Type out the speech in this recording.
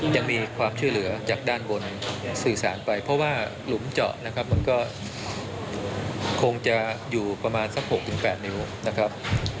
ยังมีความช่วยเหลือจากด้านบนสื่อสารไปเพราะว่าหลุมเจาะนะครับมันก็คงจะอยู่ประมาณสัก๖๘นิ้วนะครับ